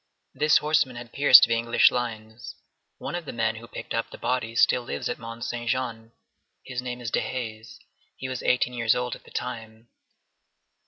This horseman had pierced the English lines. One of the men who picked up the body still lives at Mont Saint Jean. His name is Dehaze. He was eighteen years old at that time.